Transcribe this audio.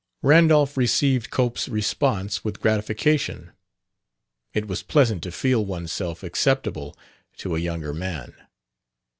Randolph received Cope's response with gratification; it was pleasant to feel oneself acceptable to a younger man.